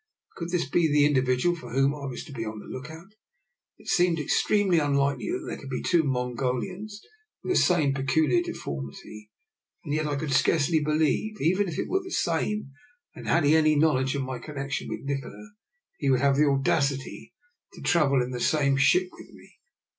Could this be the individual for whom I was to be on the look out? It seemed extremely unlikely that there could be two Mongolians with the same peculiar deformity, and yet I could scarcely believe, even if it were the same and he had any knowledge of my connection with Nikola, that he would have the audacity to travel DR. NIKOLA'S EXPERIMENT. 99 in the same ship with me.